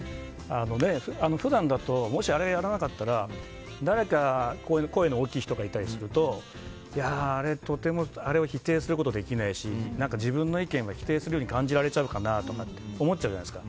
普段だともしあれやらなかったら誰か声の大きい人がいたりするととても、あれを否定することはできないし自分の意見が否定されるように感じられちゃうかなとか思っちゃうじゃないですか。